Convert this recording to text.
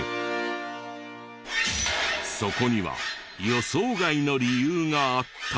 そこには予想外の理由があった。